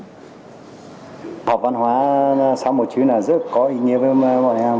học văn hóa gió mùa chữ rất có ý nghĩa với bọn em